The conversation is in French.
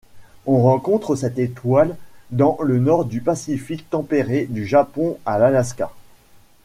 On rencontre cette étoile dans le nord du Pacifique tempéré, du Japon à l'Alaska.